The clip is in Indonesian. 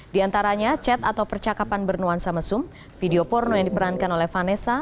di antaranya chat atau percakapan bernuansa mesum video porno yang diperankan oleh vanessa